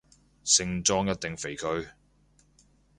聖莊一定肥佢